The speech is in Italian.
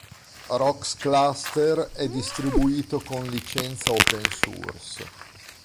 Rocks Cluster è distribuito con licenza open source.